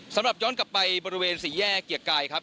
สำหรับย้อนกลับไปบริเวณสี่แยกเกียรติกายครับ